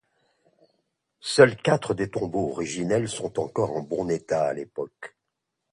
Seuls quatre des tombeaux originels sont encore en bon état à l'époque.